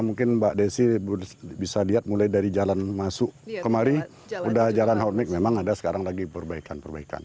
mungkin mbak desi bisa lihat mulai dari jalan masuk kemari sudah jalan hormick memang ada sekarang lagi perbaikan perbaikan